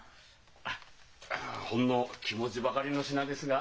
あっほんの気持ちばかりの品ですが。